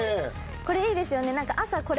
これいいですよね何か。